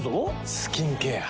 スキンケア。